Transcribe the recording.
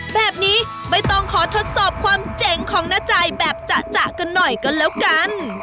แบบนี้ไม่ต้องขอทดสอบความเจ๋งของน้าใจแบบจะกันหน่อยก็แล้วกัน